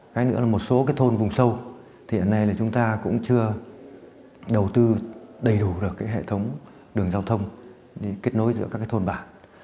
cái nữa là một số thôn vùng sâu thì ở đây chúng ta cũng chưa đầu tư đầy đủ được hệ thống đường giao thông để kết nối giữa các thôn bản